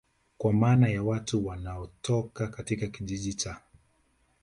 kwa maana ya Watu wanaotoka katika Kijiji cha